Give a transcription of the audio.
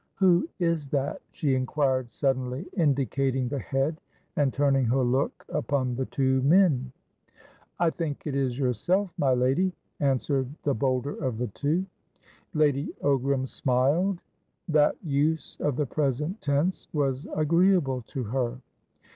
"Who is that?" she inquired suddenly, indicating the head, and turning her look upon the two men. "I think it is yourself, my lady," answered the bolder of the two. Lady Ogram smiled. That use of the present tense was agreeable to her.